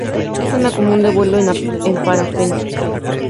Es zona común de vuelo en parapente.